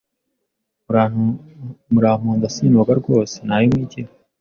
Muramponda sinogarwose nayo mwigira